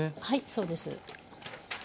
はいそうです。